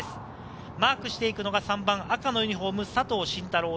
マークしていくのが３番・赤の佐藤慎太郎。